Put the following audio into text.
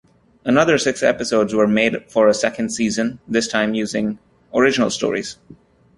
Another six episodes were made for a second season, this time using original stories.